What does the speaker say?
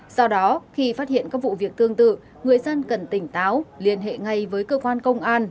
do đó khi phát hiện các vụ việc tương tự người dân cần tỉnh táo liên hệ ngay với cơ quan công an